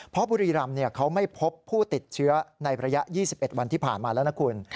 เพราะบุรีรำเขาไม่พบผู้ติดเชื้อในระยะ๒๑วันที่ผ่านมาแล้วนะคุณ